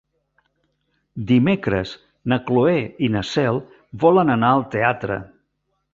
Dimecres na Cloè i na Cel volen anar al teatre.